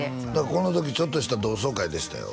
この時ちょっとした同窓会でしたよ